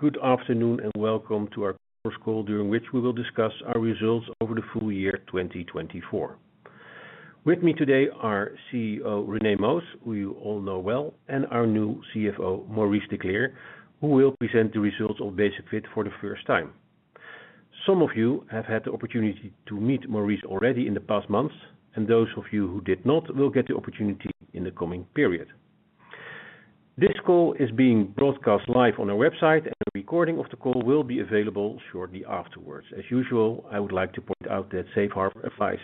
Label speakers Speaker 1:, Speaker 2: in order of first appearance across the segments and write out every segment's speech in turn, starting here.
Speaker 1: Good afternoon and welcome to our core call, during which we will discuss our results over the full year 2024. With me today are CEO René Moos, who you all know well, and our new CFO, Maurice de Kleer, who will present the results of Basic-Fit for the first time. Some of you have had the opportunity to meet Maurice already in the past months, and those of you who did not will get the opportunity in the coming period. This call is being broadcast live on our website, and a recording of the call will be available shortly afterwards. As usual, I would like to point out that Safe Harbor advice.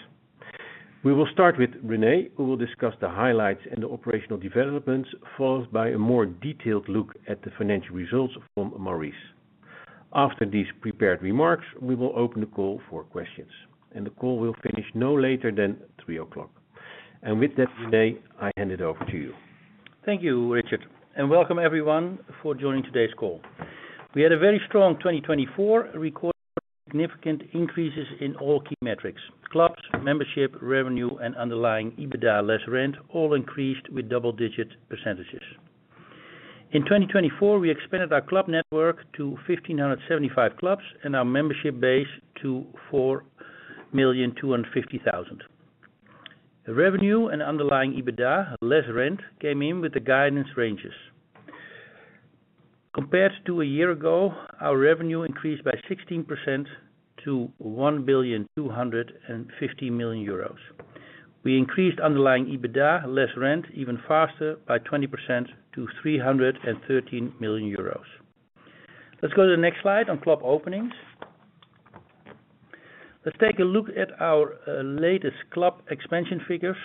Speaker 1: We will start with René, who will discuss the highlights and the operational developments, followed by a more detailed look at the financial results from Maurice. After these prepared remarks, we will open the call for questions, and the call will finish no later than 3:00 P.M. With that, René, I hand it over to you.
Speaker 2: Thank you, Richard, and welcome everyone for joining today's call. We had a very strong 2024 record with significant increases in all key metrics: clubs, membership, revenue, and underlying EBITDA less rent, all increased with double-digit percentages. In 2024, we expanded our club network to 1,575 clubs and our membership base to 4,250,000. Revenue and underlying EBITDA less rent came in with the guidance ranges. Compared to a year ago, our revenue increased by 16% to 1.25 billion. We increased underlying EBITDA less rent even faster by 20% to 313 million euros Let's go to the next slide on club openings. Let's take a look at our latest club expansion figures.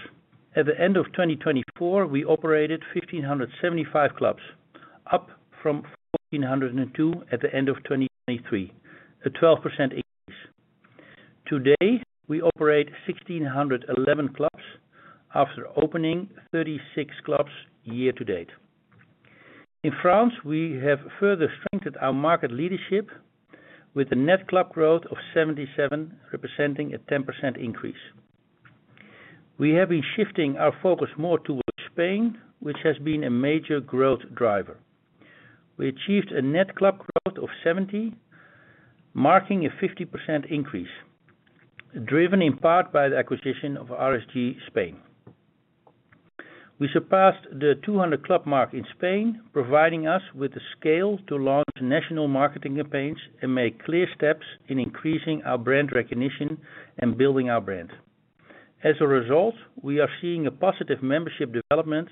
Speaker 2: At the end of 2024, we operated 1,575 clubs, up from 1,402 at the end of 2023, a 12% increase. Today, we operate 1,611 clubs after opening 36 clubs year to date. In France, we have further strengthened our market leadership with a net club growth of 77, representing a 10% increase. We have been shifting our focus more towards Spain, which has been a major growth driver. We achieved a net club growth of 70, marcing a 50% increase, driven in part by the acquisition of RSG Spain. We surpassed the 200-club mark in Spain, providing us with the scale to launch national marketing campaigns and make clear steps in increasing our brand recognition and building our brand. As a result, we are seeing a positive membership development,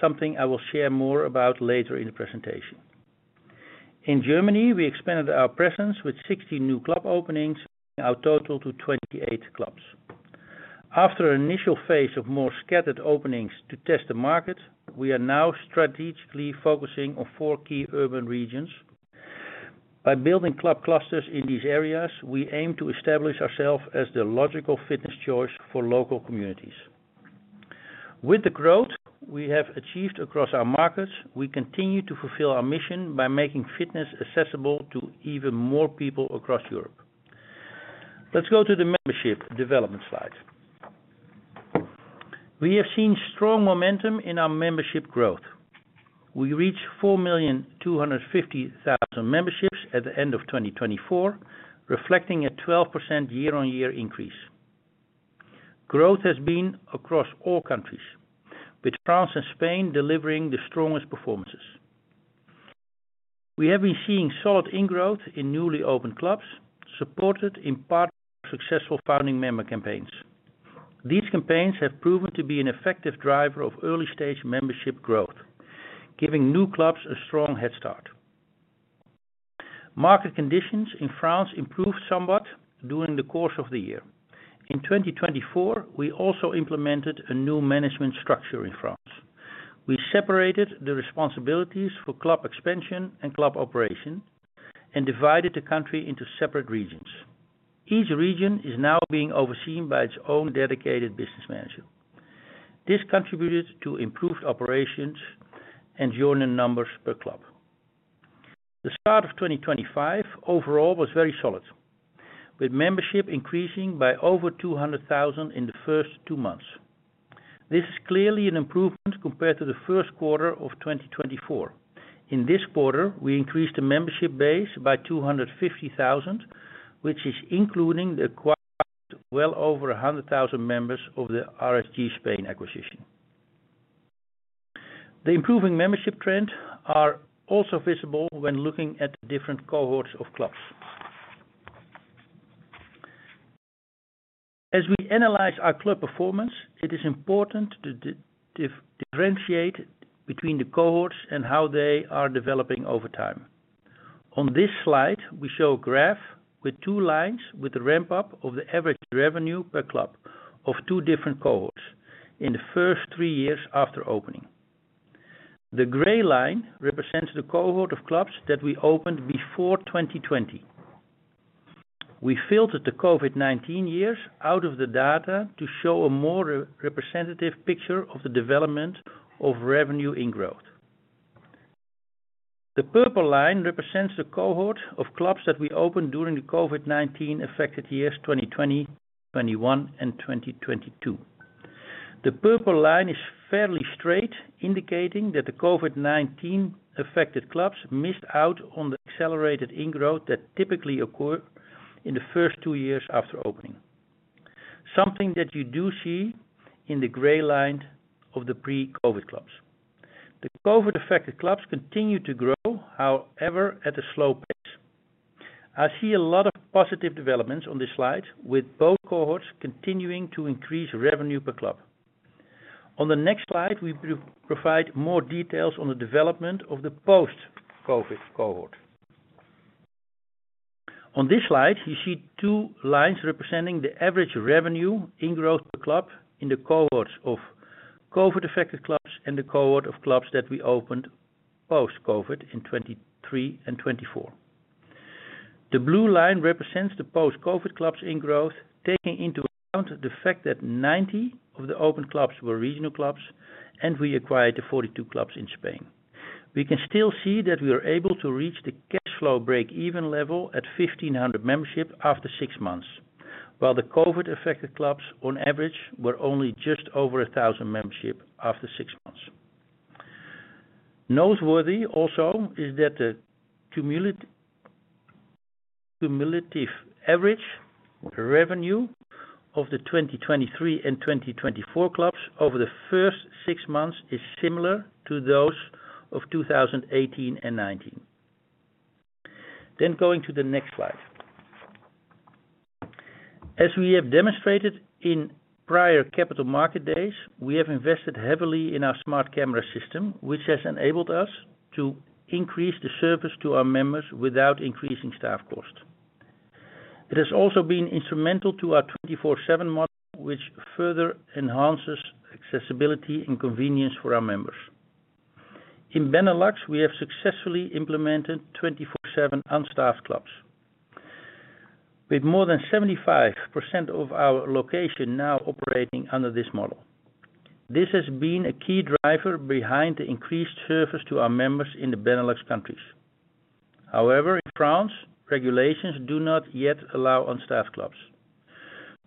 Speaker 2: something I will share more about later in the presentation. In Germany, we expanded our presence with 60 new club openings, bringing our total to 28 clubs. After an initial phase of more scattered openings to test the market, we are now strategically focusing on four key urban regions. By building club clusters in these areas, we aim to establish ourselves as the logical fitness choice for local communities. With the growth we have achieved across our markets, we continue to fulfill our mission by making fitness accessible to even more people across Europe. Let's go to the membership development slide. We have seen strong momentum in our membership growth. We reached 4,250,000 memberships at the end of 2024, reflecting a 12% year-on-year increase. Growth has been across all countries, with France and Spain delivering the strongest performances. We have been seeing solid ingrowth in newly opened clubs, supported in part by our successful founding member campaigns. These campaigns have proven to be an effective driver of early-stage membership growth, giving new clubs a strong head start. Market conditions in France improved somewhat during the course of the year. In 2024, we also implemented a new management structure in France. We separated the responsibilities for club expansion and club operation and divided the country into separate regions. Each region is now being overseen by its own dedicated business manager. This contributed to improved operations and joining numbers per club. The start of 2025 overall was very solid, with membership increasing by over 200,000 in the first two months. This is clearly an improvement compared to the first quarter of 2024. In this quarter, we increased the membership base by 250,000, which is including the acquired well over 100,000 members of the RSG Spain acquisition. The improving membership trends are also visible when looking at different cohorts of clubs. As we analyze our club performance, it is important to differentiate between the cohorts and how they are developing over time. On this slide, we show a graph with two lines with the ramp-up of the average revenue per club of two different cohorts in the first three years after opening. The gray line represents the cohort of clubs that we opened before 2020. We filtered the COVID-19 years out of the data to show a more representative picture of the development of revenue ingrowth. The purple line represents the cohort of clubs that we opened during the COVID-19-affected years 2020, 2021, and 2022. The purple line is fairly straight, indicating that the COVID-19-affected clubs missed out on the accelerated ingrowth that typically occurred in the first two years after opening, something that you do see in the gray line of the pre-COVID clubs. The COVID-affected clubs continue to grow, however, at a slow pace. I see a lot of positive developments on this slide, with both cohorts continuing to increase revenue per club. On the next slide, we provide more details on the development of the post-COVID cohort. On this slide, you see two lines representing the average revenue ingrowth per club in the cohorts of COVID-affected clubs and the cohort of clubs that we opened post-COVID in 2023 and 2024. The blue line represents the post-COVID clubs' ingrowth, taking into account the fact that 90 of the opened clubs were regional clubs, and we acquired the 42 clubs in Spain. We can still see that we were able to reach the cash flow break-even level at 1,500 membership after six months, while the COVID-affected clubs, on average, were only just over 1,000 membership after six months. Noteworthy also is that the cumulative average revenue of the 2023 and 2024 clubs over the first six months is similar to those of 2018 and 2019. As we have demonstrated in prior Capital Market Days we have invested heavily in our smart camera system, which has enabled us to increase the service to our members without increasing staff cost. It has also been instrumental to our 24/7 model, which further enhances accessibility and convenience for our members. In Benelux, we have successfully implemented 24/7 unstaffed clubs, with more than 75% of our location now operating under this model. This has been a key driver behind the increased service to our members in the Benelux countries. However, in France, regulations do not yet allow unstaffed clubs.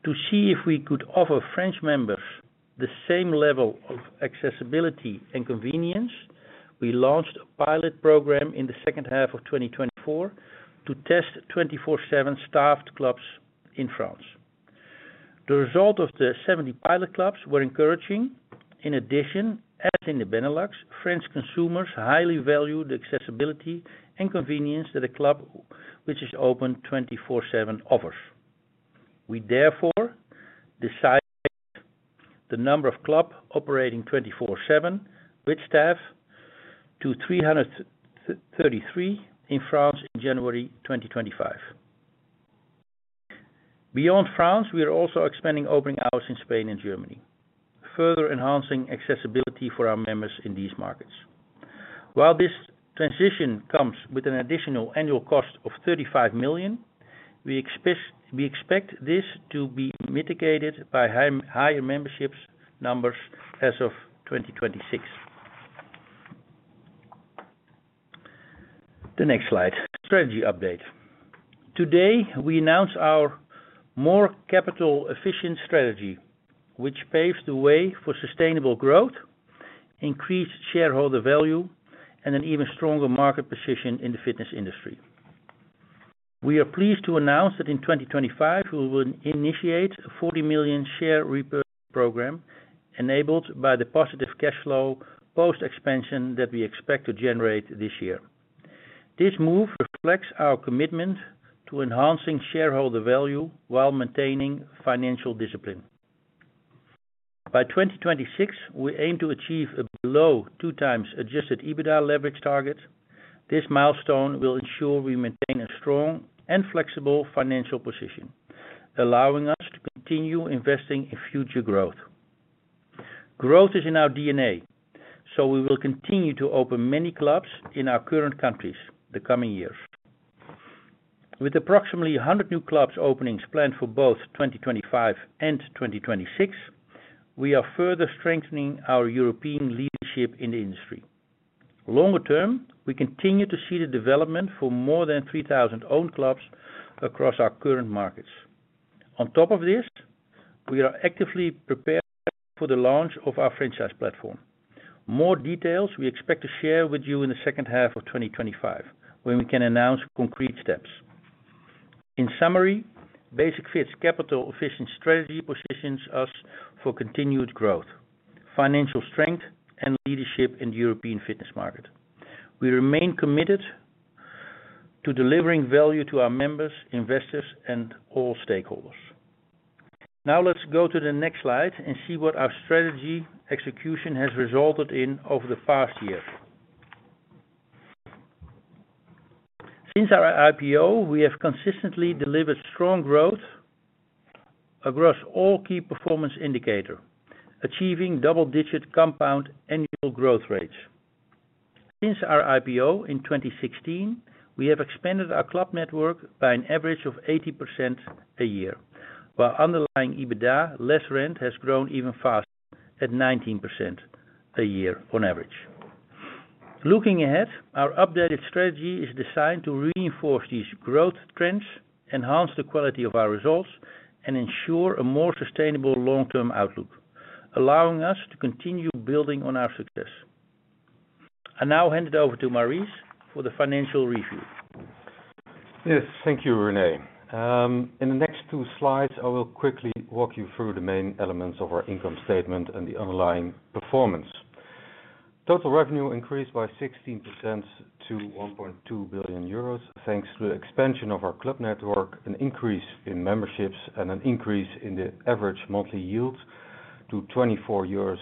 Speaker 2: To see if we could offer French members the same level of accessibility and convenience, we launched a pilot program in the second half of 2024 to test 24/7 staffed clubs in France. The result of the 70 pilot clubs was encouraging. In addition, as in the Benelux, French consumers highly value the accessibility and convenience that a club which is open 24/7 offers. We therefore decided the number of clubs operating 24/7 with staff to 333 in France in January 2025. Beyond France, we are also expanding opening hours in Spain and Germany, further enhancing accessibility for our members in these markets. While this transition comes with an additional annual cost of 35 million, we expect this to be mitigated by higher membership numbers as of 2026. The next slide. Strategy update. Today, we announced our more capital-efficient strategy, which paves the way for sustainable growth, increased shareholder value, and an even stronger market position in the fitness industry. We are pleased to announce that in 2025, we will initiate a 40 million share repurchase program enabled by the positive cash flow post-expansion that we expect to generate this year. This move reflects our commitment to enhancing shareholder value while maintaining financial discipline. By 2026, we aim to achieve a below two times adjusted EBITDA leverage target. This milestone will ensure we maintain a strong and flexible financial position, allowing us to continue investing in future growth. Growth is in our DNA, so we will continue to open many clubs in our current countries the coming years. With approximately 100 new clubs openings planned for both 2025 and 2026, we are further strengthening our European leadership in the industry. Longer term, we continue to see the development for more than 3,000 owned clubs across our current markets. On top of this, we are actively preparing for the launch of our franchise platform. More details we expect to share with you in the second half of 2025, when we can announce concrete steps. In summary, Basic-Fit's capital-efficient strategy positions us for continued growth, financial strength, and leadership in the European fitness market. We remain committed to delivering value to our members, investors, and all stakeholders. Now, let's go to the next slide and see what our strategy execution has resulted in over the past year. Since our IPO, we have consistently delivered strong growth across all key performance indicators, achieving double-digit compound annual growth rates. Since our IPO in 2016, we have expanded our club network by an average of 80% a year, while underlying EBITDA less rent has grown even faster at 19% a year on average. Looking ahead, our updated strategy is designed to reinforce these growth trends, enhance the quality of our results, and ensure a more sustainable long-term outlook, allowing us to continue building on our success. I now hand it over to Maurice for the financial review.
Speaker 3: Yes, thank you, René. In the next two slides, I will quickly walk you through the main elements of our income statement and the underlying performance. Total revenue increased by 16% to 1.2 billion euros, thanks to the expansion of our club network, an increase in memberships, and an increase in the average monthly yield to 24.24 euros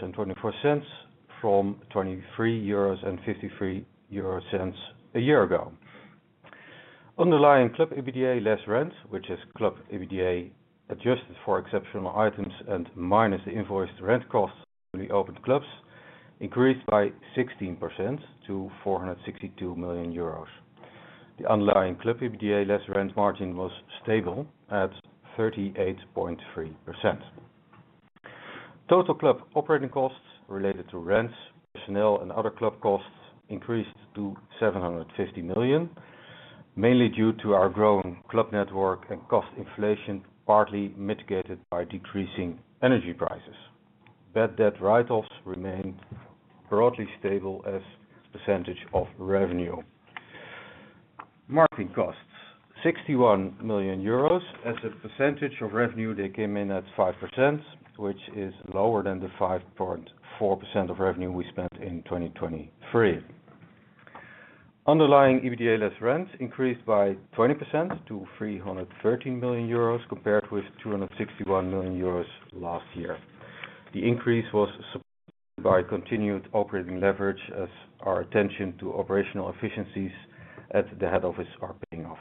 Speaker 3: from 23.53 euros a year ago. Underlying club EBITDA less rent, which is club EBITDA adjusted for exceptional items and minus the invoiced rent costs of newly opened clubs, increased by 16% to 462 million euros. The underlying club EBITDA less rent margin was stable at 38.3%. Total club operating costs related to rents, personnel, and other club costs increased to 750 million, mainly due to our growing club network and cost inflation, partly mitigated by decreasing energy prices. Bad debt write-offs remained broadly stable as a percentage of revenue. Marketing costs, 61 million euros. As a percentage of revenue, they came in at 5%, which is lower than the 5.4% of revenue we spent in 2023. Underlying EBITDA less rent increased by 20% to 313 million euros, compared with 261 million euros last year. The increase was supported by continued operating leverage, as our attention to operational efficiencies at the head office are paying off.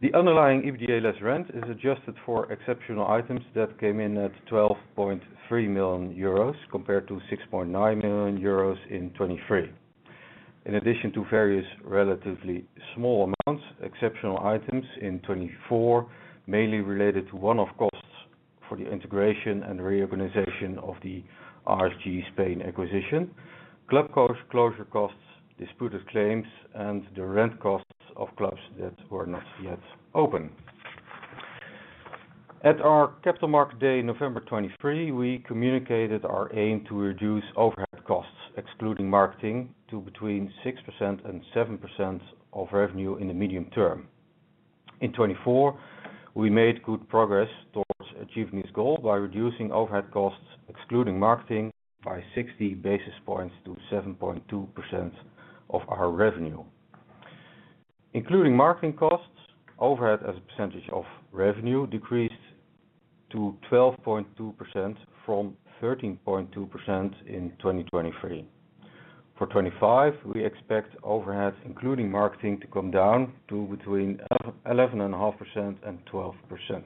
Speaker 3: The underlying EBITDA less rent is adjusted for exceptional items that came in at 12.3 million euros, compared to 6.9 million euros in 2023. In addition to various relatively small amounts, exceptional items in 2024 mainly related to one-off costs for the integration and reorganization of the RSG Spain acquisition, club closure costs, disputed claims, and the rent costs of clubs that were not yet open. At our Capital Market Day, November 2023, we communicated our aim to reduce overhead costs, excluding marketing, to between 6%-7% of revenue in the medium term. In 2024, we made good progress towards achieving this goal by reducing overhead costs, excluding marketing, by 60 basis points to 7.2% of our revenue. Including marketing costs, overhead as a percentage of revenue decreased to 12.2% from 13.2% in 2023. For 2025, we expect overhead, including marketing, to come down to between 11.5%-12%.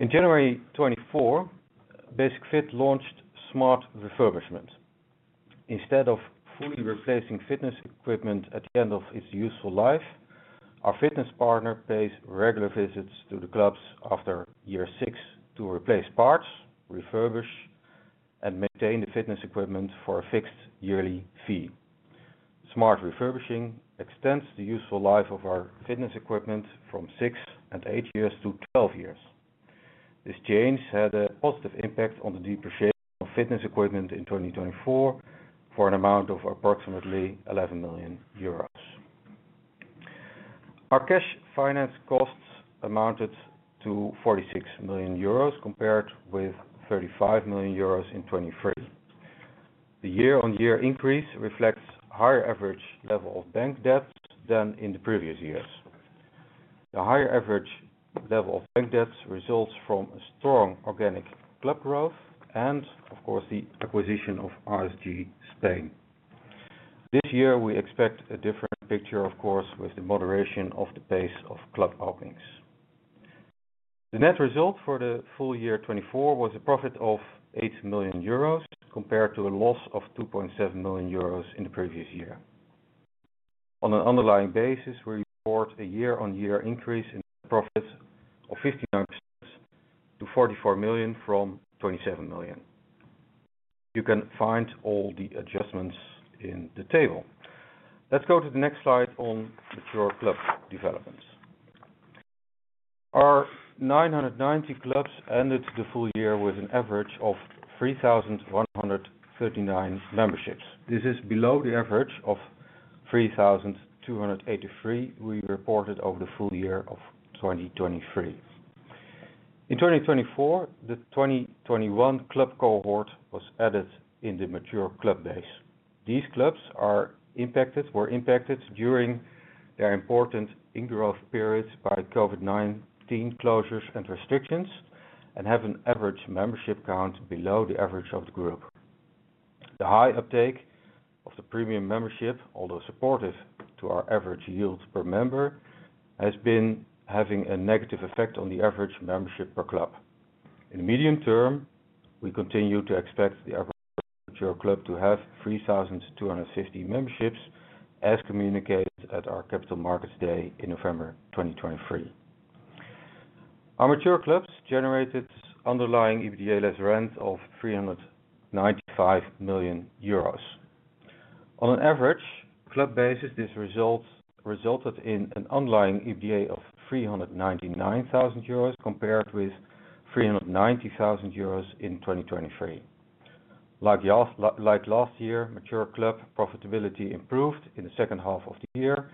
Speaker 3: In January 2024, Basic-Fit launched Smart Refurbishment. Instead of fully replacing fitness equipment at the end of its useful life, our fitness partner pays regular visits to the clubs after year six to replace parts, refurbish, and maintain the fitness equipment for a fixed yearly fee. Smart refurbishment extends the useful life of our fitness equipment from six to eight years to 12 years. This change had a positive impact on the depreciation of fitness equipment in 2024 for an amount of approximately 11 million euros. Our cash finance costs amounted to 46 million euros, compared with 35 million euros in 2023. The year-on-year increase reflects a higher average level of bank debt than in the previous years. The higher average level of bank debt results from strong organic club growth and, of course, the acquisition of RSG Spain. This year, we expect a different picture, of course, with the moderation of the pace of club openings. The net result for the full year 2024 was a profit of 8 million euros, compared to a loss of 2.7 million euros in the previous year. On an underlying basis, we report a year-on-year increase in profits of 59% to 44 million from 27 million. You can find all the adjustments in the table. Let's go to the next slide on mature club developments. Our 990 clubs ended the full year with an average of 3,139 memberships. This is below the average of 3,283 we reported over the full year of 2023. In 2024, the 2021 club cohort was added in the mature club base. These clubs were impacted during their important ingrowth periods by COVID-19 closures and restrictions and have an average membership count below the average of the group. The high uptake of the Premium membership, although supportive to our average yield per member, has been having a negative effect on the average membership per club. In the medium term, we continue to expect the average mature club to have 3,250 memberships, as communicated at our Capital Markets Day in November 2023. Our mature clubs generated underlying EBITDA less rent of 395 million euros. On an average club basis, this resulted in an underlying EBITDA of 399,000 euros, compared with 390,000 euros in 2023. Like last year, mature club profitability improved in the second half of the year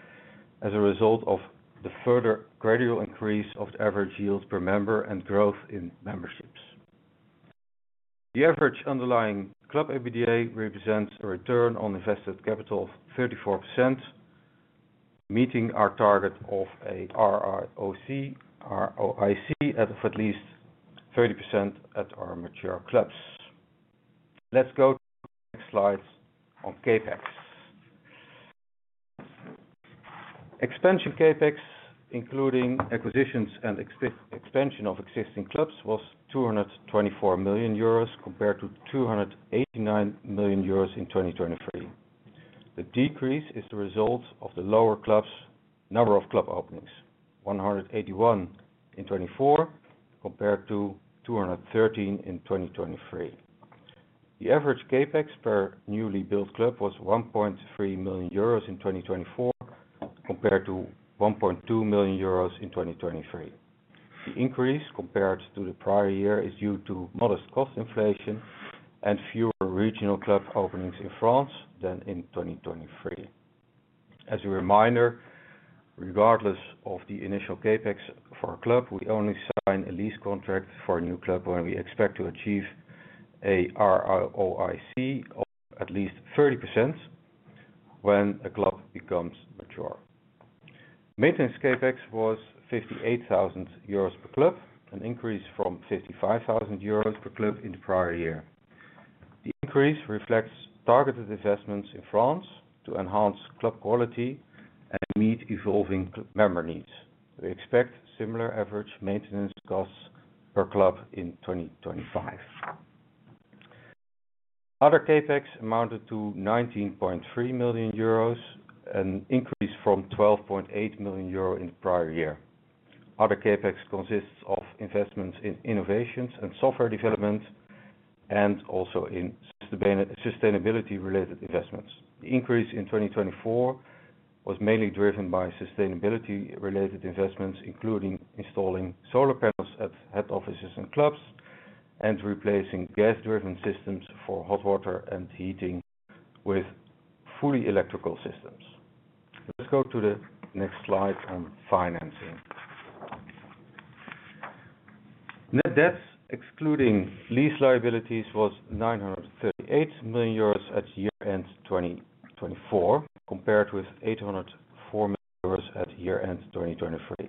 Speaker 3: as a result of the further gradual increase of the average yield per member and growth in memberships. The average underlying club EBITDA represents a return on invested capital of 34%, meeting our target of a ROIC of at least 30% at our mature clubs. Let's go to the next slide on CapEx. Expansion CapEx, including acquisitions and expansion of existing clubs, was 224 million euros, compared to 289 million euros in 2023. The decrease is the result of the lower number of club openings, 181 in 2024, compared to 213 in 2023. The average CapEx per newly built club was 1.3 million euros in 2024, compared to 1.2 million euros in 2023. The increase, compared to the prior year, is due to modest cost inflation and fewer regional club openings in France than in 2023. As a reminder, regardless of the initial CapEx for a club, we only sign a lease contract for a new club when we expect to achieve a ROIC of at least 30% when a club becomes mature. Maintenance CapEx was 58,000 euros per club, an increase from 55,000 euros per club in the prior year. The increase reflects targeted investments in France to enhance club quality and meet evolving member needs. We expect similar average maintenance costs per club in 2025. Other CapEx amounted to 19.3 million euros, an increase from 12.8 million euro in the prior year. Other CapEx consists of investments in innovations and software development and also in sustainability-related investments. The increase in 2024 was mainly driven by sustainability-related investments, including installing solar panels at head offices and clubs and replacing gas-driven systems for hot water and heating with fully electrical systems. Let's go to the next slide on financing. Net debt, excluding lease liabilities, was 938 million euros at year-end 2024, compared with 804 million euros at year-end 2023.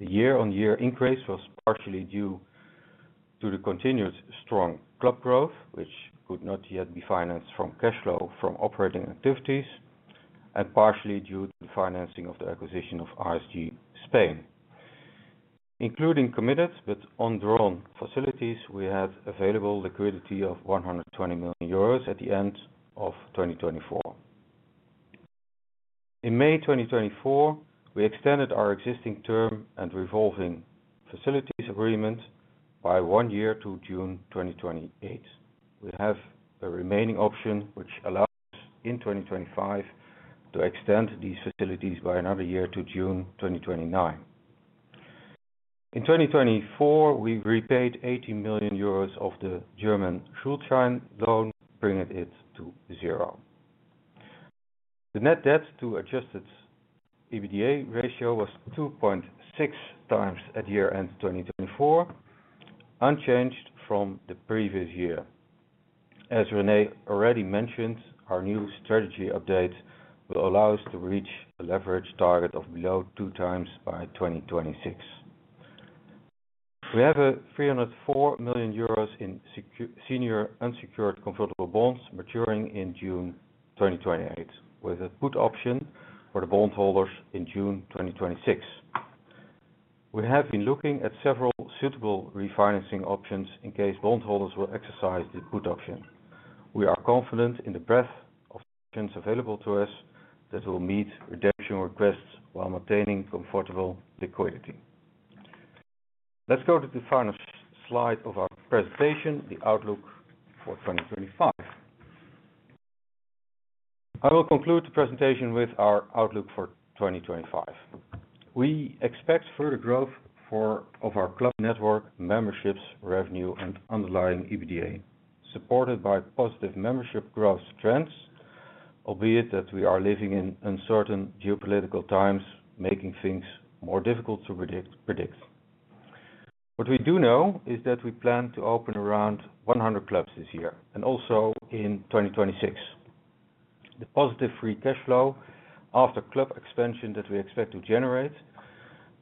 Speaker 3: The year-on-year increase was partially due to the continued strong club growth, which could not yet be financed from cash flow from operating activities, and partially due to the financing of the acquisition of RSG Spain. Including committed but undrawn facilities, we had available liquidity of 120 million euros at the end of 2024. In May 2024, we extended our existing term and revolving facilities agreement by one year to June 2028. We have a remaining option, which allows us in 2025 to extend these facilities by another year to June 2029. In 2024, we repaid 80 million euros of the German Schuldschein loan, bringing it to zero. The net debt to adjusted EBITDA ratio was 2.6x at year-end 2024, unchanged from the previous year. As René already mentioned, our new strategy update will allow us to reach a leverage target of below two times by 2026. We have 304 million euros in senior unsecured convertible bonds maturing in June 2028, with a put option for the bondholders in June 2026. We have been looking at several suitable refinancing options in case bondholders will exercise the put option. We are confident in the breadth of options available to us that will meet redemption requests while maintaining comfortable liquidity. Let's go to the final slide of our presentation, the outlook for 2025. I will conclude the presentation with our outlook for 2025. We expect further growth for our club network, memberships, revenue, and underlying EBITDA, supported by positive membership growth trends, albeit that we are living in uncertain geopolitical times, making things more difficult to predict. What we do know is that we plan to open around 100 clubs this year and also in 2026. The positive free cash flow after club expansion that we expect to generate,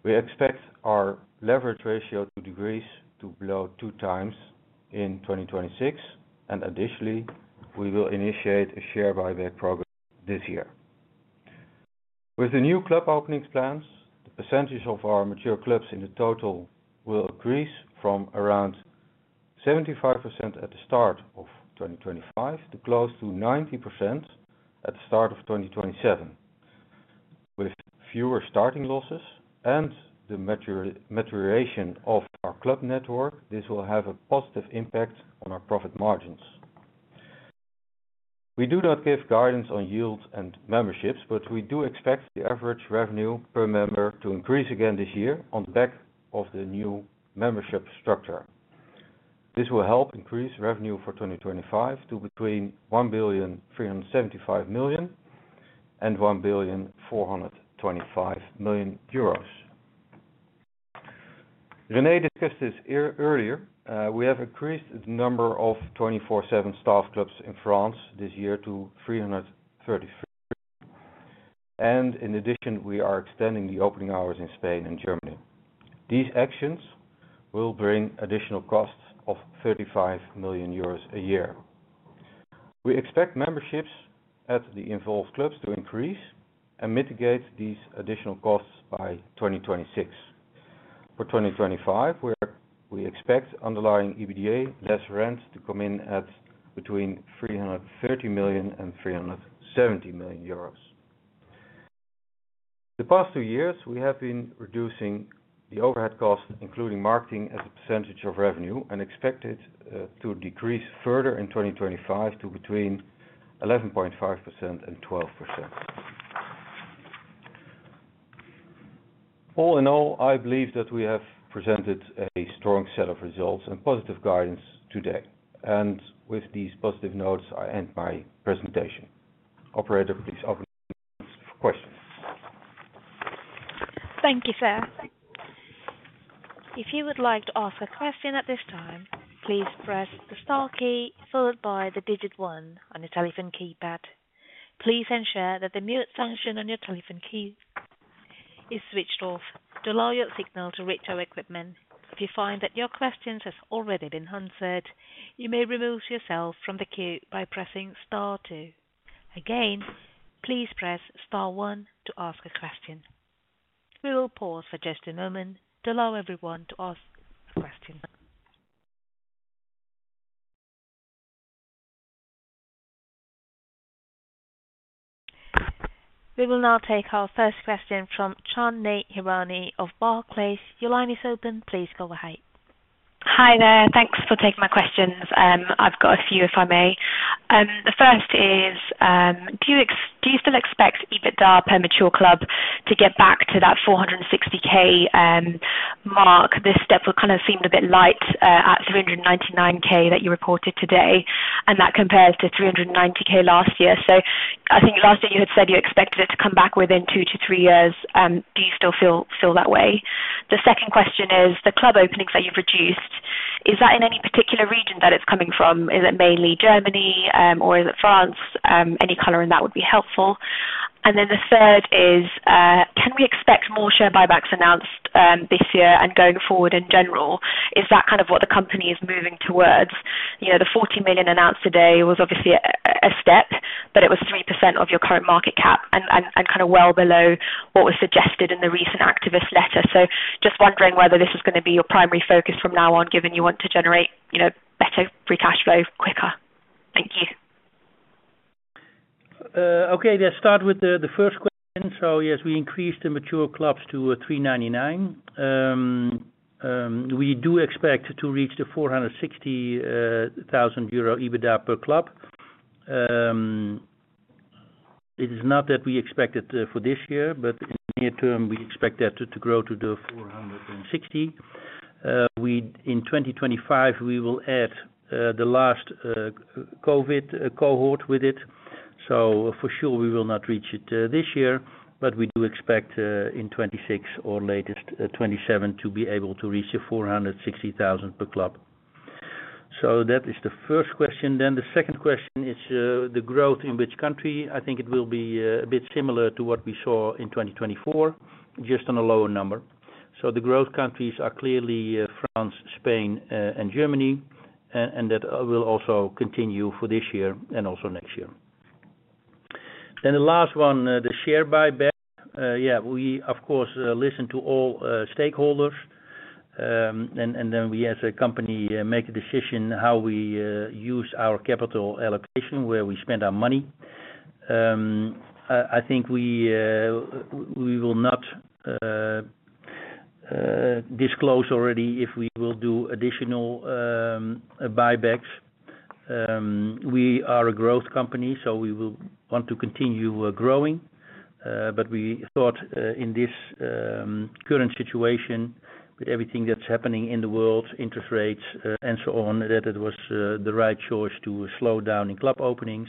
Speaker 3: we expect our leverage ratio to decrease to below 2x in 2026, and additionally, we will initiate a share buyback program this year. With the new club openings plans, the percentage of our mature clubs in the total will increase from around 75% at the start of 2025 to close to 90% at the start of 2027. With fewer starting losses and the maturation of our club network, this will have a positive impact on our profit margins. We do not give guidance on yields and memberships, but we do expect the average revenue per member to increase again this year on the back of the new membership structure. This will help increase revenue for 2025 to between 1.375 billion and 1.425 billion. René discussed this earlier. We have increased the number of 24/7 staff clubs in France this year to 333 million, and in addition, we are extending the opening hours in Spain and Germany. These actions will bring additional costs of 35 million euros a year. We expect memberships at the involved clubs to increase and mitigate these additional costs by 2026. For 2025, we expect underlying EBITDA less rent to come in at between 330 million and 370 million euros. The past two years, we have been reducing the overhead costs, including marketing, as a percentage of revenue and expect to decrease further in 2025 to between 11.5% and 12%. All in all, I believe that we have presented a strong set of results and positive guidance today. With these positive notes, I end my presentation. Operator, please open the floor for questions.
Speaker 4: Thank you, sir. If you would like to ask a question at this time, please press the star key followed by the digit one on your telephone keypad. Please ensure that the mute function on your telephone key is switched off to allow your signal to reach our equipment. If you find that your question has already been answered, you may remove yourself from the queue by pressing star two. Again, please press star one to ask a question. We will pause for just a moment to allow everyone to ask a question. We will now take our first question from Chandni Hirani of Barclays. Your line is open. Please go ahead.
Speaker 5: Hi there. Thanks for taking my questions. I've got a few, if I may. The first is, do you still expect EBITDA per mature club to get back to that 460,000. Marc, this step kind of seemed a bit light at 399,000 that you reported today, and that compares to 390,000 last year. I think last year you had said you expected it to come back within two to three years. Do you still feel that way? The second question is the club openings that you've reduced. Is that in any particular region that it's coming from? Is it mainly Germany, or is it France? Any color in that would be helpful. The third is, can we expect more share buybacks announced this year and going forward in general? Is that kind of what the company is moving towards? The 40 million announced today was obviously a step, but it was 3% of your current market cap and kind of well below what was suggested in the recent activist letter. Just wondering whether this is going to be your primary focus from now on, given you want to generate better free cash flow quicker. Thank you.
Speaker 2: Okay, let's start with the first question. Yes, we increased the mature clubs to 399,000. We do expect to reach the 460,000 euro EBITDA per club. It is not that we expect it for this year, but in the near term, we expect that to grow to the 460,000. In 2025, we will add the last COVID cohort with it. For sure, we will not reach it this year, but we do expect in 2026 or latest 2027 to be able to reach 460,000 per club. That is the first question. The second question is the growth in which country. I think it will be a bit similar to what we saw in 2024, just on a lower number. The growth countries are clearly France, Spain, and Germany, and that will also continue for this year and also next year. The last one, the share buyback. Yeah, we, of course, listen to all stakeholders, and then we as a company make a decision how we use our capital allocation, where we spend our money. I think we will not disclose already if we will do additional buybacks. We are a growth company, so we will want to continue growing, but we thought in this current situation, with everything that's happening in the world, interest rates, and so on, that it was the right choice to slow down in club openings.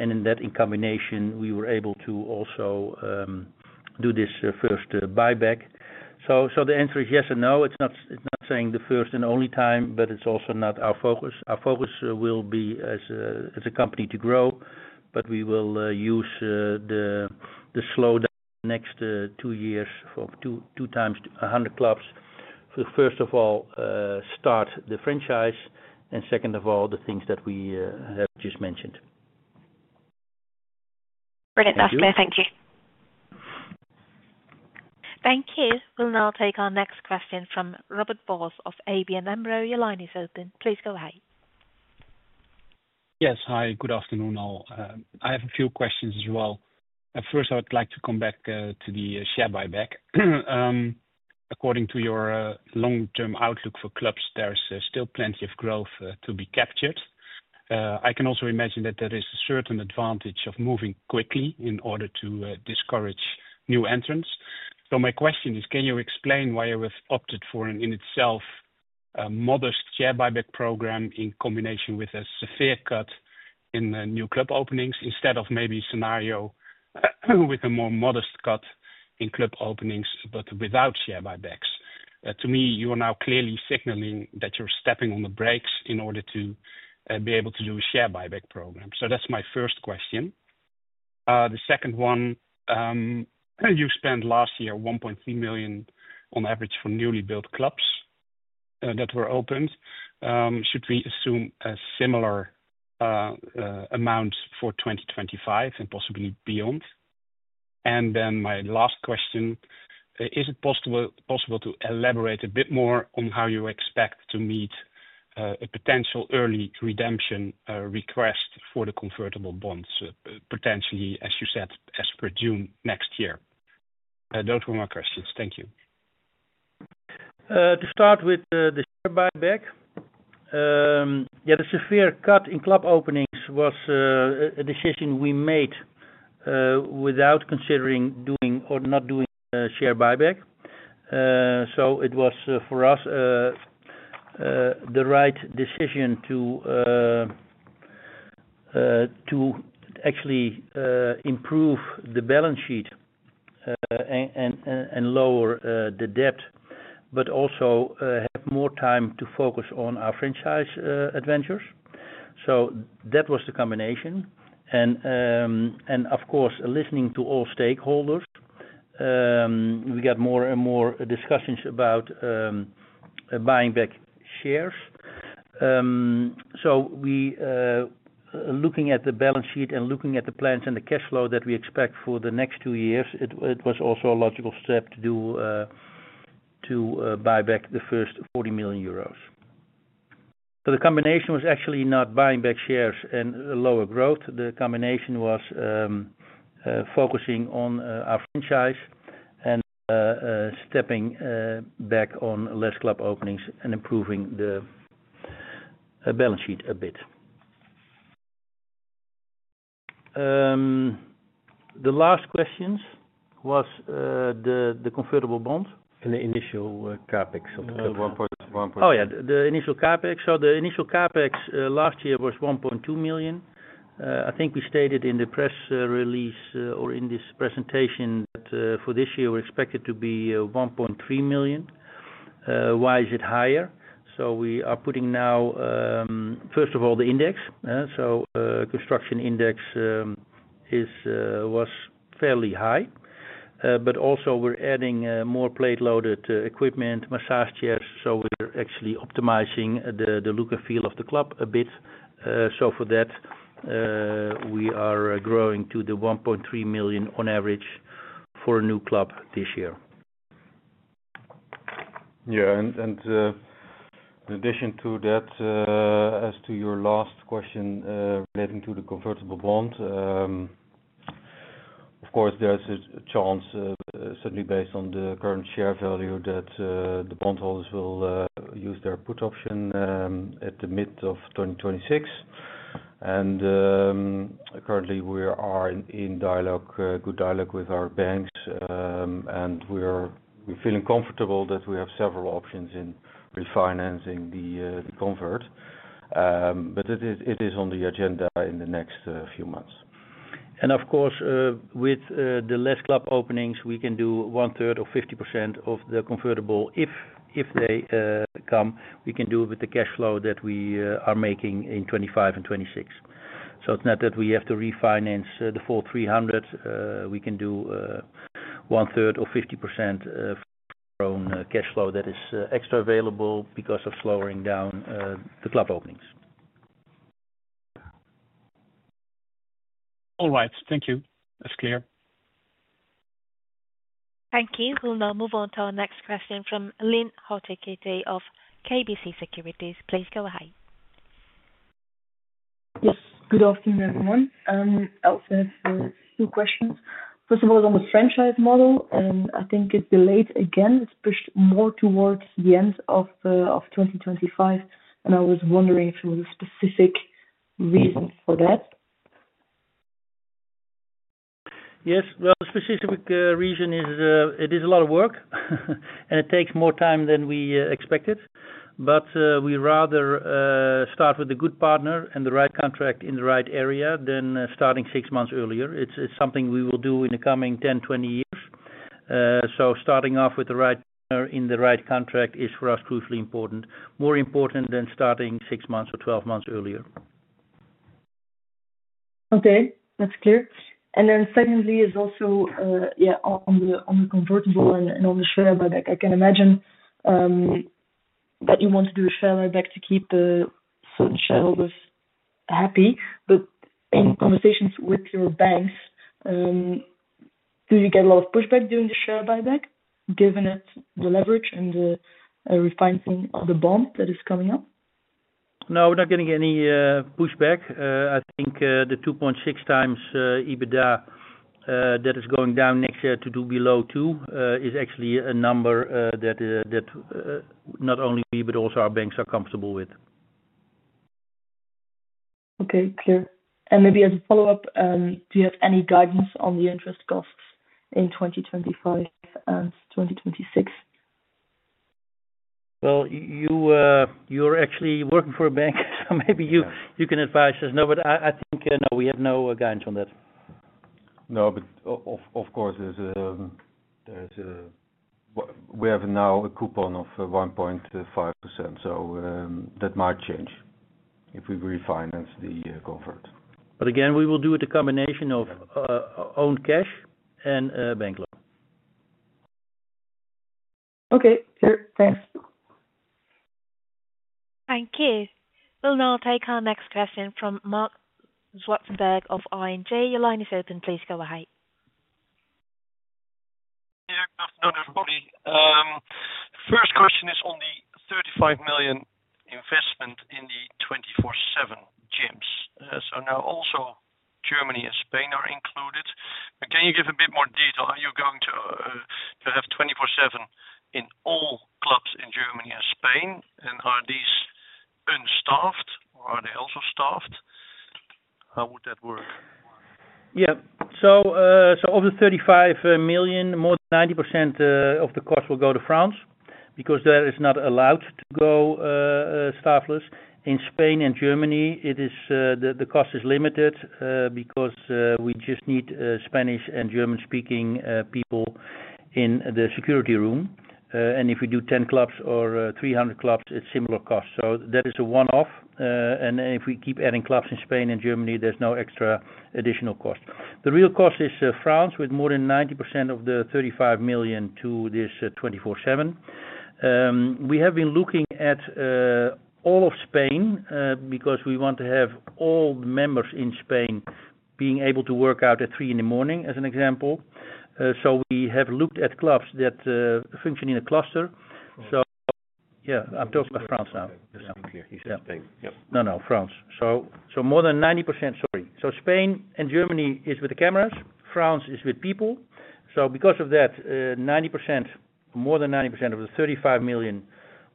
Speaker 2: In that combination, we were able to also do this first buyback. The answer is yes and no. It's not saying the first and only time, but it's also not our focus. Our focus will be as a company to grow, but we will use the slowdown in the next two years from 2x to 100 clubs to, first of all, start the franchise, and second of all, the things that we have just mentioned.
Speaker 5: Brilliant. That's good. Thank you.
Speaker 4: Thank you. We'll now take our next question from Robert Jan Vos of ABN AMRO. Your line is open. Please go ahead.
Speaker 6: Yes. Hi. Good afternoon all. I have a few questions as well. First, I would like to come back to the share buyback. According to your long-term outlook for clubs, there's still plenty of growth to be captured. I can also imagine that there is a certain advantage of moving quickly in order to discourage new entrants. My question is, can you explain why you have opted for an in itself modest share buyback program in combination with a severe cut in new club openings instead of maybe a scenario with a more modest cut in club openings but without share buybacks? To me, you are now clearly signaling that you're stepping on the brakes in order to be able to do a share buyback program. That's my first question. The second one, you spent last year 1.3 million on average for newly built clubs that were opened. Should we assume a similar amount for 2025 and possibly beyond? My last question, is it possible to elaborate a bit more on how you expect to meet a potential early redemption request for the convertible bonds, potentially, as you said, as per June next year? Those were my questions. Thank you.
Speaker 2: To start with the share buyback, yeah, the severe cut in club openings was a decision we made without considering doing or not doing a share buyback. It was, for us, the right decision to actually improve the balance sheet and lower the debt, but also have more time to focus on our franchise adventures. That was the combination. Of course, listening to all stakeholders, we got more and more discussions about buying back shares. Looking at the balance sheet and looking at the plans and the cash flow that we expect for the next two years, it was also a logical step to buy back the first 40 million euros. The combination was actually not buying back shares and lower growth. The combination was focusing on our franchise and stepping back on less club openings and improving the balance sheet a bit. The last question was the convertible bond and the initial CapEx of the club. Oh yeah, the initial CapEx. The initial CapEx last year was 1.2 million. I think we stated in the press release or in this presentation that for this year, we're expected to be 1.3 million. Why is it higher? We are putting now, first of all, the index. The construction index was fairly high, but also we're adding more plate-loaded equipment, massage chairs. We're actually optimizing the look and feel of the club a bit. For that, we are growing to the 1.3 million on average for a new club this year.
Speaker 3: Yeah. In addition to that, as to your last question relating to the convertible bond, of course, there's a chance, certainly based on the current share value, that the bondholders will use their put option at the middle of 2026. Currently, we are in good dialogue with our banks, and we're feeling comfortable that we have several options in refinancing the convert. It is on the agenda in the next few months.
Speaker 2: With the fewer club openings, we can do 1/3 or 50% of the convertible if they come. We can do it with the cash flow that we are making in 2025 and 2026. It is not that we have to refinance the full 300 million. We can do 1/3 or 50% from our own cash flow that is extra available because of slowing down the club openings.
Speaker 6: All right. Thank you. That's clear.
Speaker 4: Thank you. We'll now move on to our next question from Lynn Hautekeete of KBC Securities. Please go ahead.
Speaker 7: Yes. Good afternoon, everyone. I'll answer two questions. First of all, on the franchise model, I think it's delayed again. It's pushed more towards the end of 2025, and I was wondering if there was a specific reason for that.
Speaker 2: Yes. The specific reason is it is a lot of work, and it takes more time than we expected. We would rather start with a good partner and the right contract in the right area than starting six months earlier. It's something we will do in the coming 10, 20 years. Starting off with the right partner in the right contract is, for us, crucially important, more important than starting six months or 12 months earlier.
Speaker 7: Okay. That's clear. Secondly, on the convertible and on the share buyback, I can imagine that you want to do a share buyback to keep certain shareholders happy. In conversations with your banks, do you get a lot of pushback doing the share buyback, given the leverage and the refinancing of the bond that is coming up?
Speaker 2: No, we're not getting any pushback. I think the 2.6x EBITDA that is going down next year to below two is actually a number that not only we, but also our banks are comfortable with.
Speaker 7: Okay. Clear. Maybe as a follow-up, do you have any guidance on the interest costs in 2025 and 2026?
Speaker 2: You're actually working for a bank, so maybe you can advise us. No, I think no, we have no guidance on that.
Speaker 3: No, but of course, we have now a coupon of 1.5%, so that might change if we refinance the convert.
Speaker 2: Again, we will do it a combination of own cash and bank loan.
Speaker 7: Okay. Clear. Thanks.
Speaker 4: Thank you. We'll now take our next question from Marc Zwartsenburg of ING. Your line is open. Please go ahead.
Speaker 8: Good afternoon, everybody. First question is on the 35 million investment in the 24/7 gyms. Now also Germany and Spain are included. Can you give a bit more detail? Are you going to have 24/7 in all clubs in Germany and Spain, and are these unstaffed, or are they also staffed? How would that work?
Speaker 2: Yeah. Of the 35 million, more than 90% of the cost will go to France because there it is not allowed to go staffless. In Spain and Germany, the cost is limited because we just need Spanish and German-speaking people in the security room. If we do 10 clubs or 300 clubs, it's similar costs. That is a one-off. If we keep adding clubs in Spain and Germany, there's no extra additional cost. The real cost is France with more than 90% of the 35 million to this 24/7. We have been looking at all of Spain because we want to have all members in Spain being able to work out at 3:00 A.M., as an example. We have looked at clubs that function in a cluster. Yeah, I'm talking about France now. Yeah. I think you said Spain. Yep. No, no, France. More than 90%, sorry. Spain and Germany is with the cameras. France is with people. Because of that, more than 90% of the 35 million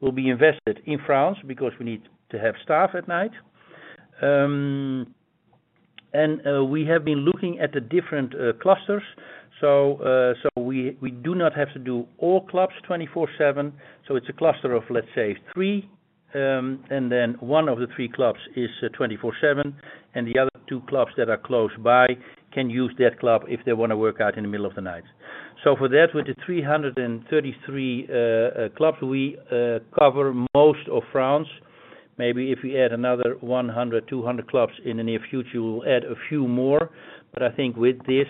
Speaker 2: will be invested in France because we need to have staff at night. We have been looking at the different clusters. We do not have to do all clubs 24/7. It is a cluster of, let's say, three, and then one of the three clubs is 24/7, and the other two clubs that are close by can use that club if they want to work out in the middle of the night. For that, with the 333 clubs, we cover most of France. Maybe if we add another 100-200 clubs in the near future, we will add a few more. I think with this,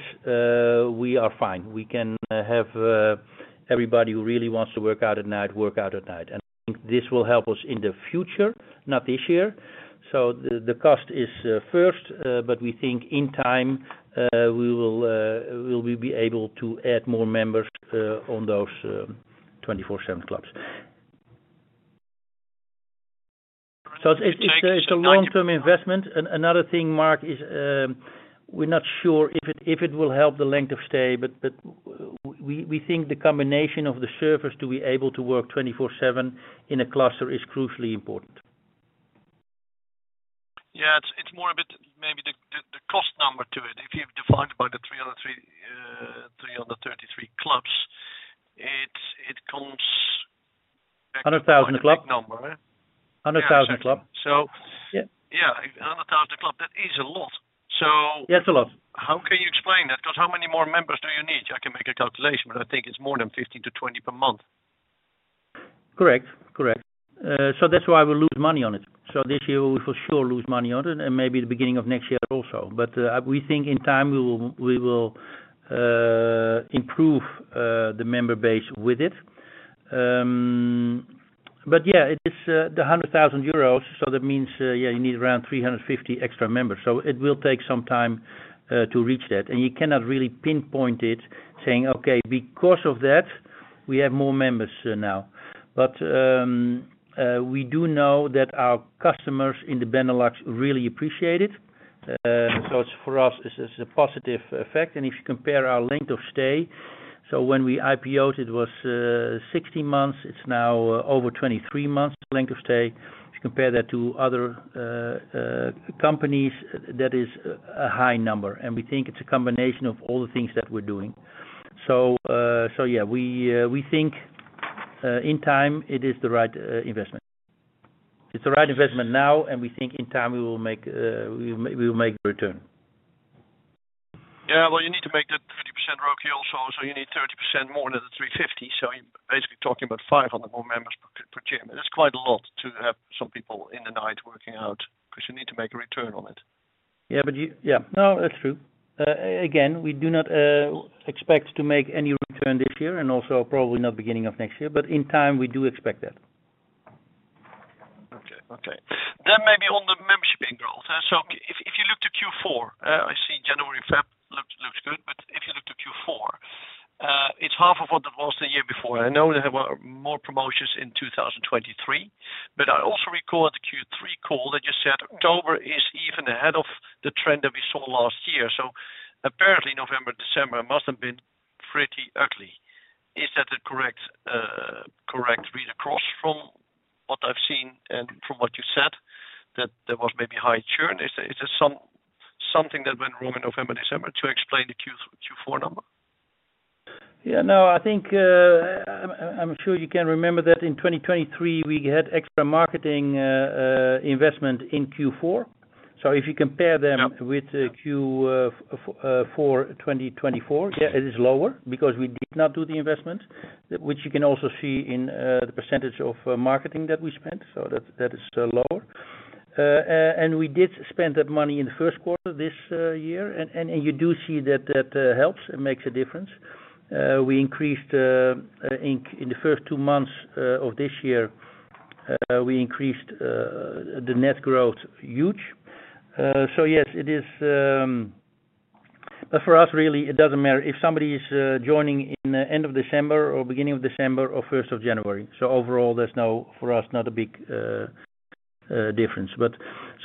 Speaker 2: we are fine. We can have everybody who really wants to work out at night work out at night. I think this will help us in the future, not this year. The cost is first, but we think in time, we will be able to add more members on those 24/7 clubs. It is a long-term investment. Another thing, Marc, is we're not sure if it will help the length of stay, but we think the combination of the service to be able to work 24/7 in a cluster is crucially important.
Speaker 8: Yeah. It is more a bit maybe the cost number to it. If you divide by the 333 clubs, it comes back to the big number. 100,000 club. 100,000 club. Yeah, 100,000 club. That is a lot. Yeah, it is a lot. How can you explain that? Because how many more members do you need? I can make a calculation, but I think it is more than 15-20 per month.
Speaker 2: Correct. Correct. That is why we lose money on it. This year, we for sure lose money on it, and maybe the beginning of next year also. We think in time, we will improve the member base with it. Yeah, it is 100,000 euros. That means you need around 350 extra members. It will take some time to reach that. You cannot really pinpoint it saying, "Okay, because of that, we have more members now." We do know that our customers in the Benelux really appreciate it. For us, it is a positive effect. If you compare our length of stay, when we IPOed, it was 16 months. It is now over 23 months length of stay. If you compare that to other companies, that is a high number. We think it is a combination of all the things that we are doing. Yeah, we think in time, it is the right investment. It's the right investment now, and we think in time, we will make a return.
Speaker 8: You need to make that 50% royalty also. You need 30% more than the 350. You're basically talking about 500 more members per gym. It's quite a lot to have some people in the night working out because you need to make a return on it.
Speaker 2: Yeah, that's true. Again, we do not expect to make any return this year and also probably not beginning of next year. In time, we do expect that.
Speaker 8: Okay. Maybe on the membership being growed. If you look to Q4, I see January/Feb looks good. If you look to Q4, it's half of what it was the year before. I know they have more promotions in 2023, but I also recall the Q3 call that just said October is even ahead of the trend that we saw last year. Apparently, November, December must have been pretty ugly. Is that the correct read across from what I've seen and from what you said, that there was maybe high churn? Is there something that went wrong in November, December to explain the Q4 number?
Speaker 2: Yeah. No, I think I'm sure you can remember that in 2023, we had extra marketing investment in Q4. If you compare them with Q4 2024, it is lower because we did not do the investment, which you can also see in the percentage of marketing that we spent. That is lower. We did spend that money in the first quarter this year. You do see that that helps and makes a difference. We increased in the first two months of this year, we increased the net growth huge. Yes, it is. For us, really, it does not matter if somebody is joining in the end of December or beginning of December or 1st of January. Overall, for us, not a big difference.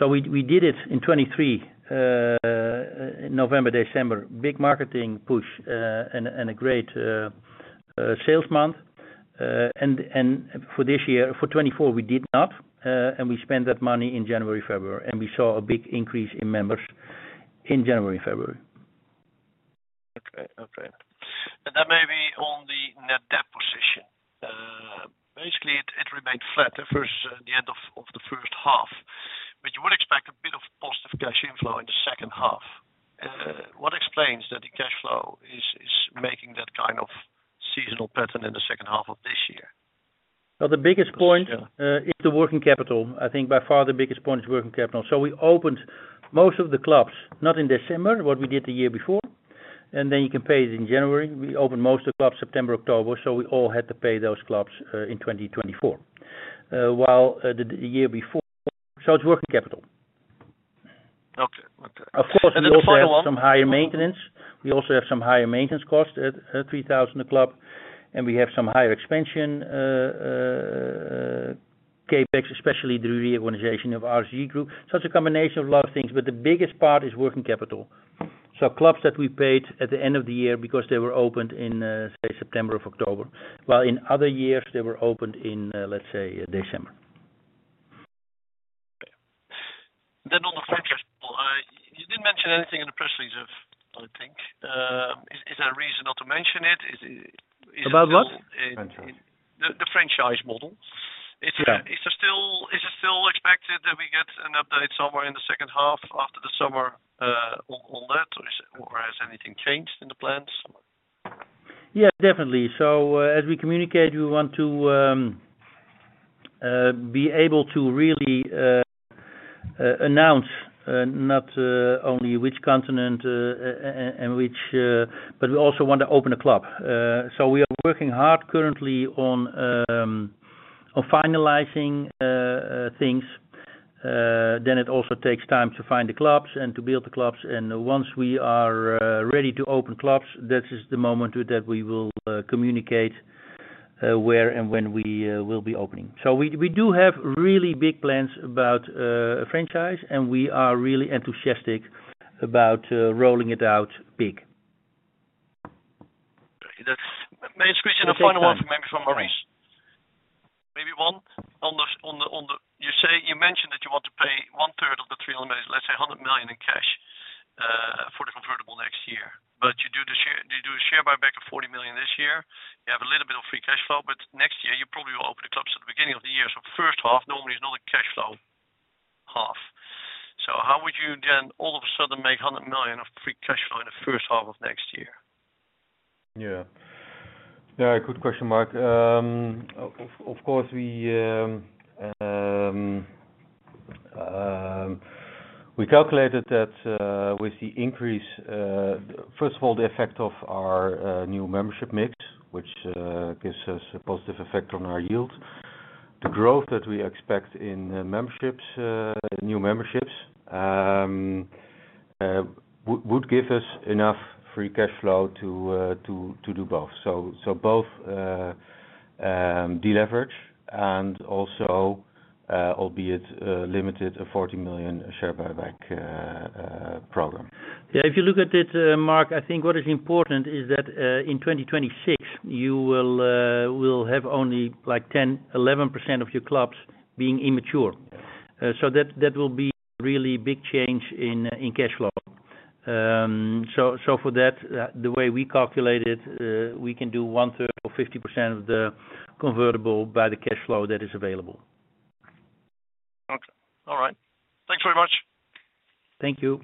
Speaker 2: We did it in 2023, November, December, big marketing push and a great sales month. For this year, for 2024, we did not. We spent that money in January, February. We saw a big increase in members in January and February.
Speaker 8: Okay. Okay. Maybe on the net debt position, basically, it remained flat at the end of the first half, but you would expect a bit of positive cash inflow in the second half. What explains that the cash flow is making that kind of seasonal pattern in the second half of this year?
Speaker 3: The biggest point is the working capital. I think by far the biggest point is working capital. We opened most of the clubs not in December, what we did the year before, and then you can pay it in January. We opened most of the clubs September, October, so we all had to pay those clubs in 2024 while the year before. It is working capital. That is why we will have some higher maintenance. We also have some higher maintenance cost at 3,000 a club. We have some higher expansion, CapEx, especially the reorganization of RSG Spain. It is a combination of a lot of things, but the biggest part is working capital. Clubs that we paid at the end of the year because they were opened in, say, September or October, while in other years, they were opened in, let's say, December.
Speaker 8: Okay. On the franchise model, you did not mention anything in the press release. I think. Is there a reason not to mention it?
Speaker 2: About what?
Speaker 8: The franchise model. Is it still expected that we get an update somewhere in the second half after the summer on that, or has anything changed in the plans?
Speaker 2: Yeah, definitely. As we communicate, we want to be able to really announce not only which continent and which, but we also want to open a club. We are working hard currently on finalizing things. It also takes time to find the clubs and to build the clubs. Once we are ready to open clubs, that is the moment that we will communicate where and when we will be opening. We do have really big plans about franchise, and we are really enthusiastic about rolling it out big.
Speaker 8: That's main snapashot. The final one maybe from Maurice. Maybe one. You mentioned that you want to pay one-third of the 300 million, let's say 100 million in cash for the convertible next year. You do a share buyback of 40 million this year. You have a little bit of free cash flow, but next year, you probably will open the clubs at the beginning of the year. First half normally is not a cash flow half. How would you then all of a sudden make 100 million of free cash flow in the first half of next year?
Speaker 3: Yeah. Yeah. Good question, Marc. Of course, we calculated that with the increase, first of all, the effect of our new membership mix, which gives us a positive effect on our yield, the growth that we expect in new memberships would give us enough free cash flow to do both. So both deleverage and also, albeit limited, a 40 million share buyback program.
Speaker 2: Yeah. If you look at it, Marc, I think what is important is that in 2026, you will have only like 10%-11% of your clubs being immature. That will be a really big change in cash flow. For that, the way we calculate it, we can do 1/3 or 50% of the convertible by the cash flow that is available.
Speaker 8: Okay. All right. Thanks very much.
Speaker 2: Thank you.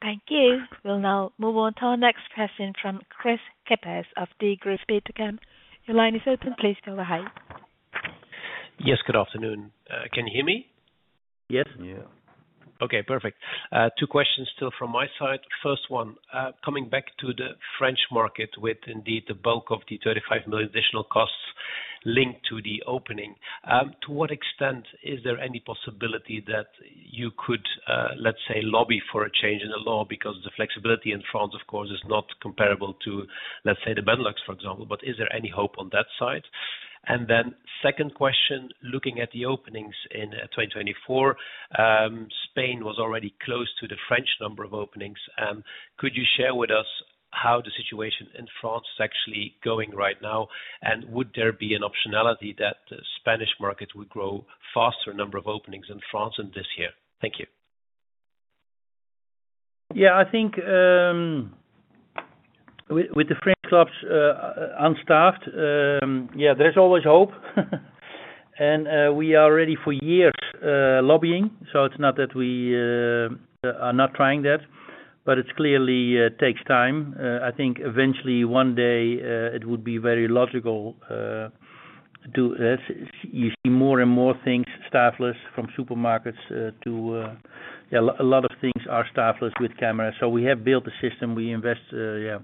Speaker 4: Thank you. We'll now move on to our next question from Kris Kippers of Degroof Petercam. Your line is open. Please go ahead.
Speaker 9: Yes. Good afternoon. Can you hear me?
Speaker 2: Yes. Yeah.
Speaker 9: Okay. Perfect. Two questions still from my side. First one, coming back to the French market with indeed the bulk of the 35 million additional costs linked to the opening, to what extent is there any possibility that you could, let's say, lobby for a change in the law because the flexibility in France, of course, is not comparable to, let's say, the Benelux, for example? Is there any hope on that side? Second question, looking at the openings in 2024, Spain was already close to the French number of openings. Could you share with us how the situation in France is actually going right now? Would there be an optionality that the Spanish market would grow faster, number of openings in France in this year? Thank you.
Speaker 2: Yeah. I think with the French clubs unstaffed, yeah, there's always hope. We are ready for years lobbying. It's not that we are not trying that, but it clearly takes time. I think eventually, one day, it would be very logical to see more and more things staffless, from supermarkets to, yeah, a lot of things are staffless with cameras. We have built a system. We invest, yeah,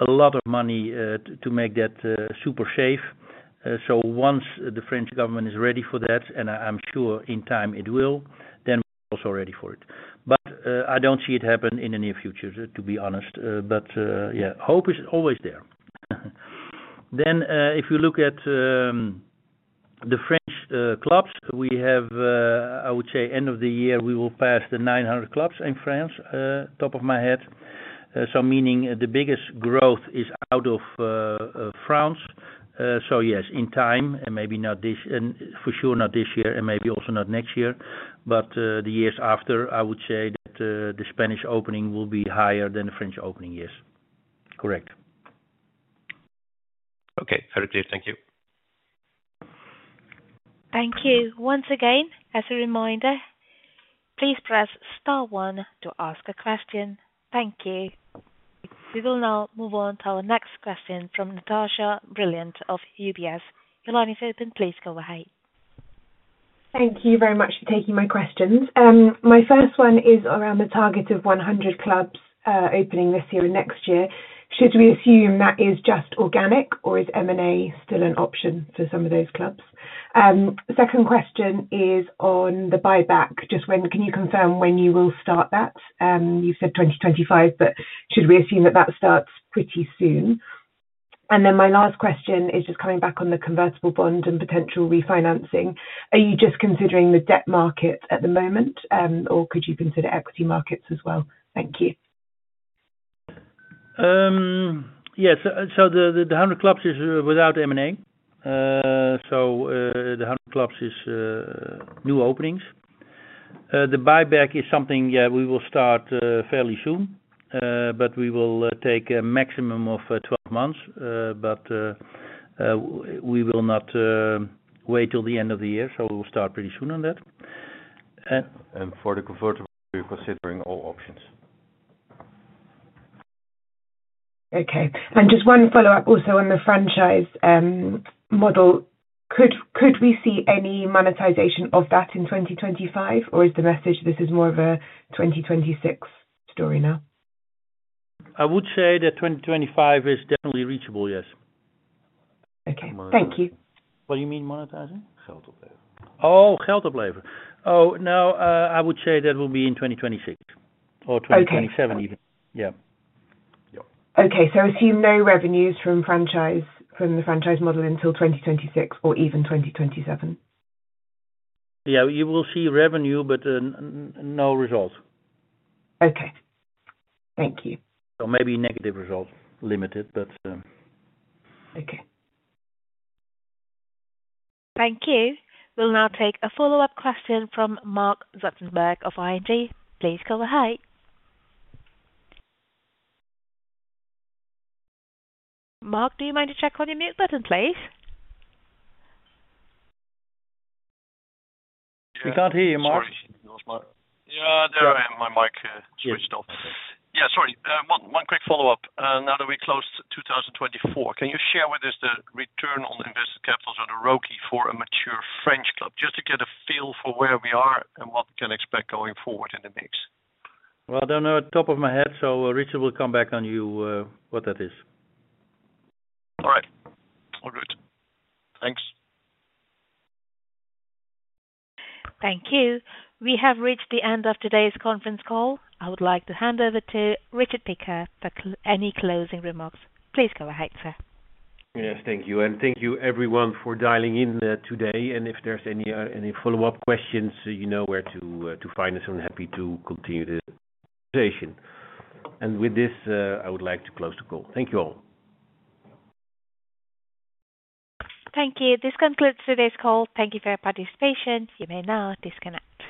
Speaker 2: a lot of money to make that super safe. Once the French government is ready for that, and I'm sure in time it will, then we're also ready for it. I don't see it happen in the near future, to be honest. Yeah, hope is always there. If you look at the French clubs, we have, I would say, end of the year, we will pass the 900 clubs in France, top of my head. Meaning the biggest growth is out of France. Yes, in time, and for sure not this year, and maybe also not next year. The years after, I would say that the Spanish opening will be higher than the French opening.
Speaker 3: Yes. Correct.
Speaker 9: Okay. Very clear. Thank you.
Speaker 4: Thank you. Once again, as a reminder, please press star one to ask a question. Thank you. We will now move on to our next question from Natasha Brilliant of UBS. Your line is open. Please go ahead.
Speaker 10: Thank you very much for taking my questions. My first one is around the target of 100 clubs opening this year and next year. Should we assume that is just organic, or is M&A still an option for some of those clubs? Second question is on the buyback. Can you confirm when you will start that? You've said 2025, but should we assume that that starts pretty soon? My last question is just coming back on the convertible bond and potential refinancing. Are you just considering the debt market at the moment, or could you consider equity markets as well? Thank you.
Speaker 2: Yes. The 100 clubs is without M&A. The 100 clubs is new openings. The buyback is something, yeah, we will start fairly soon, but we will take a maximum of 12 months. We will not wait till the end of the year. We will start pretty soon on that.
Speaker 3: For the convertible, we're considering all options.
Speaker 10: Okay. Just one follow-up also on the franchise model. Could we see any monetization of that in 2025, or is the message this is more of a 2026 story now?
Speaker 2: I would say that 2025 is definitely reachable, yes.
Speaker 10: Okay. Thank you.
Speaker 2: What do you mean monetizing?
Speaker 3: Geld opleveren.
Speaker 2: Oh, geld opleveren. Oh, now I would say that will be in 2026 or 2027 even. Yeah.
Speaker 10: Okay. So assume no revenues from the franchise model until 2026 or even 2027?
Speaker 2: Yeah. You will see revenue, but no result.
Speaker 10: Okay. Thank you.
Speaker 3: Or maybe negative result, limited, but.
Speaker 10: Okay.
Speaker 4: Thank you. We'll now take a follow-up question from Marc Zwartsenburg of ING. Please go ahead. Marc, do you mind to check on your mute button, please?
Speaker 1: We can't hear you, Marc.
Speaker 8: Yeah. There I am. My mic switched off. Yeah. Sorry. One quick follow-up. Now that we closed 2024, can you share with us the return on invested capital or the ROIC for a mature French club, just to get a feel for where we are and what we can expect going forward in the mix?
Speaker 2: I do not know at the top of my head, so Richard will come back on you what that is.
Speaker 1: All right. All good.
Speaker 9: Thanks.
Speaker 4: Thank you. We have reached the end of today's conference call. I would like to hand over to Richard Piekaar for any closing remarks. Please go ahead, sir.
Speaker 1: Yes. Thank you. And thank you, everyone, for dialing in today. If there are any follow-up questions, you know where to find us. I am happy to continue the conversation. With this, I would like to close the call. Thank you all.
Speaker 4: Thank you. This concludes today's call. Thank you for your participation. You may now disconnect.